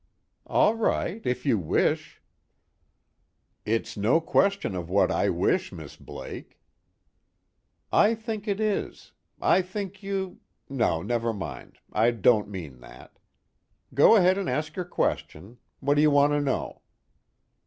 "All right if you wish." "It's no question of what I wish, Miss Blake." "I think it is I think you no, never mind, I don't mean that. Go ahead and ask your question what do you want to know?"